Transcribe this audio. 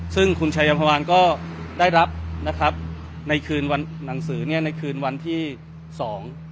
ซึ่งคุณชายัมภาวานก็ได้รับนะครับในคืนวันหนังสือเนี่ยในคืนวันที่สอง